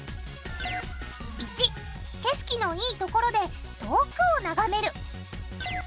①景色のいいところで遠くをながめる。